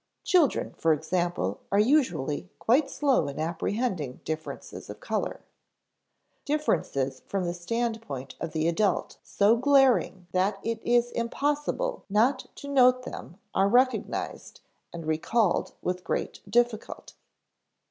Children, for example, are usually quite slow in apprehending differences of color. Differences from the standpoint of the adult so glaring that it is impossible not to note them are recognized and recalled with great difficulty.